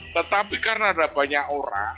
tetapi karena ada banyak orang